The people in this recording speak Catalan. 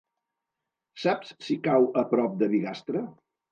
Saps si cau a prop de Bigastre?